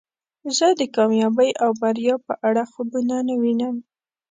زه د کامیابۍ او بریا په اړه خوبونه نه وینم.